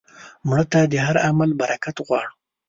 مړه ته د هر عمل برکت غواړو